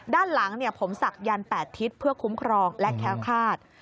ด้านหลังผมศักดัน๘ทิศเพื่อคุ้มครองและแค้วคาด